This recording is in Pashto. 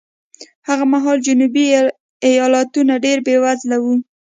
هغه مهال جنوبي ایالتونه ډېر بېوزله وو.